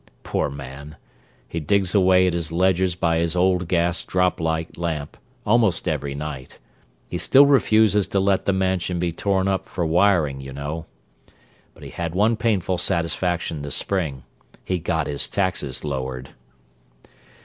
Poor man! he digs away at his ledgers by his old gas drop light lamp almost every night—he still refuses to let the Mansion be torn up for wiring, you know. But he had one painful satisfaction this spring: he got his taxes lowered!"